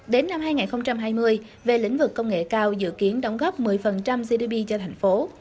đến năm hai nghìn hai mươi về lĩnh vực công nghệ cao dự kiến đóng góp một mươi gdp cho thành phố